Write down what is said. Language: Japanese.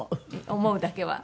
思うだけは。